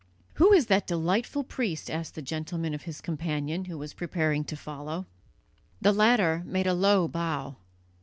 "Who is that delightful priest?" asked the gentlemen of his companion, who was preparing to follow. The latter made a low bow.